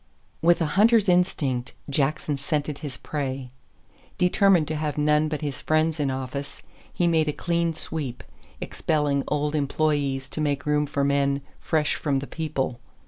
With a hunter's instinct, Jackson scented his prey. Determined to have none but his friends in office, he made a clean sweep, expelling old employees to make room for men "fresh from the people."